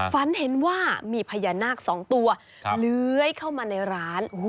ฝันเห็นว่ามีพญานาค๒ตัวเลื้อยเข้ามาในร้าน